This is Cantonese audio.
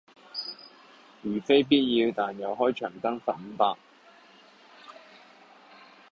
如非必要但又長開燈，罰五百